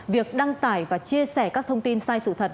việc đăng tải và chia sẻ các thông tin sai sự thật là sai sự thật